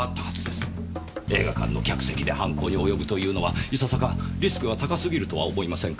映画館の客席で犯行に及ぶというのはいささかリスクが高すぎるとは思いませんか？